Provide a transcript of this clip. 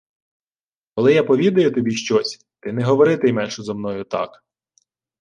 — Коли я повідаю тобі щось, ти не говорити-ймеш зо мною так.